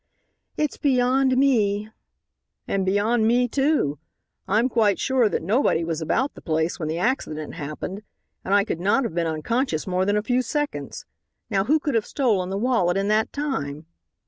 "It's beyond me." "And beyond me, too. I'm quite sure that nobody was about the place when the accident happened, and I could not have been unconscious more than a few seconds. Now who could have stolen the wallet in that time?"